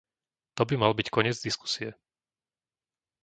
To by mal byť koniec diskusie.